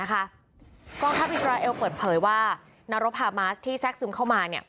กองทัพอิสราเอลเปิดเผยว่านรกฮามาสที่แทรกซึมเข้ามา